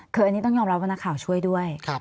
คืออันนี้ต้องยอมรับว่านักข่าวช่วยด้วย